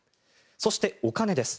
そして、お金です。